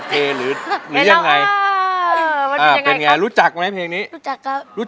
ครับกี้ออกไปเลยถ้ังกันนะครับ